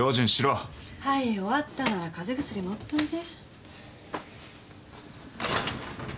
はい終わったなら風邪薬持っといで。